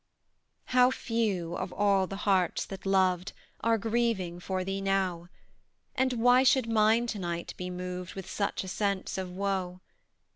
How few, of all the hearts that loved, Are grieving for thee now; And why should mine to night be moved With such a sense of woe?